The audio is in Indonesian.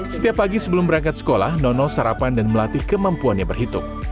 setiap pagi sebelum berangkat sekolah nono sarapan dan melatih kemampuannya berhitung